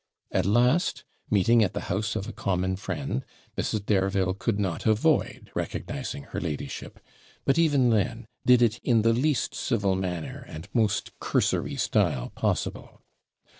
At last, meeting at the house of a common friend, Mrs. Dareville could not avoid recognising her ladyship; but, even then, did it in the least civil manner and most cursory style possible.